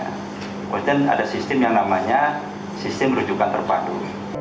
pasien ada sistem yang namanya sistem merujukan terpadu